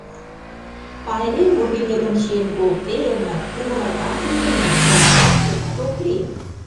Пайрем вургеметым чиен колтеныт, кугуракат лийыныт, да палашыжат ок лий.